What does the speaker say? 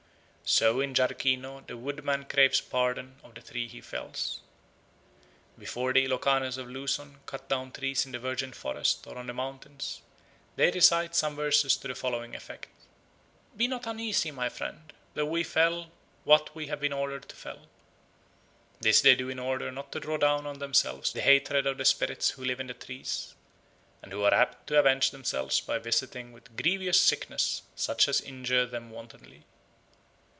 So in Jarkino the woodman craves pardon of the tree he fells. Before the Ilocanes of Luzon cut down trees in the virgin forest or on the mountains, they recite some verses to the following effect: "Be not uneasy, my friend, though we fell what we have been ordered to fell." This they do in order not to draw down on themselves the hatred of the spirits who live in the trees, and who are apt to avenge themselves by visiting with grievous sickness such as injure them wantonly.